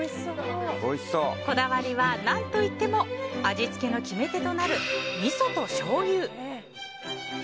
こだわりは何といっても味付けの決め手となるみそとしょうゆ。